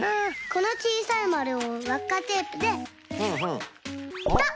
このちいさいまるをわっかテープでピタッ！